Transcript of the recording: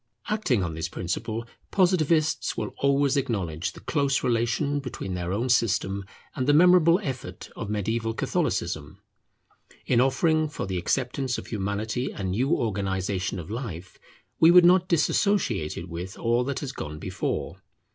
Acting on this principle, Positivists will always acknowledge the close relation between their own system and the memorable effort of mediaeval Catholicism. In offering for the acceptance of Humanity a new organization of life, we would not dissociate it with all that has gone before.